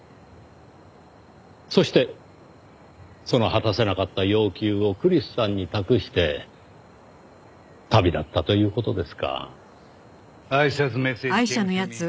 そしてその果たせなかった要求をクリスさんに託して旅立ったという事ですか。